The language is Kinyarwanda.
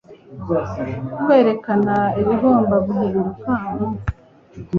kwerekana ibigomba guhinduka mu